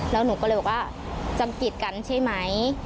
แล้วหนูก็เลยบอกว่าจำกิดกันใช่ไหม